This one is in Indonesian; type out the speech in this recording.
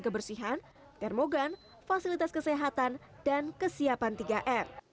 kebersihan termogan fasilitas kesehatan dan kesiapan tiga r